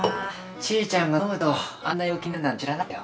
ちーちゃんが飲むとあんな陽気になるなんて知らなかったよ。